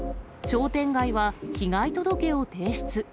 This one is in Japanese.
商店街は被害届を提出。